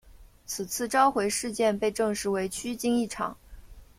此次召回事件被证实为虚惊一场。